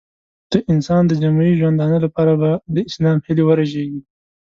د انسان د جمعي ژوندانه لپاره به د اسلام هیلې ورژېږي.